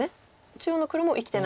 中央の黒も生きてない。